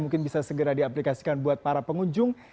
mungkin bisa segera diaplikasikan buat para pengunjung